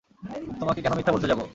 তোমাকে কেন মিথ্যা বলতে যাব?